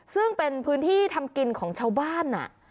ซึ่งเป็นพื้นที่ทำกินของชาวบ้าน